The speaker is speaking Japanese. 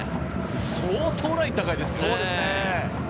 相当ライン高いですよ。